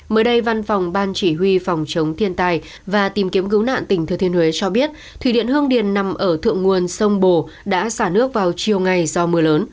mới đây văn phòng ban chỉ huy phòng chống thiên tai và tìm kiếm cứu nạn tỉnh thừa thiên huế cho biết thủy điện hương điền nằm ở thượng nguồn sông bồ đã xả nước vào chiều ngày do mưa lớn